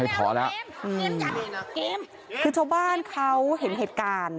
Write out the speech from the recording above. ชาวบ้านเขาเห็นเหตุการณ์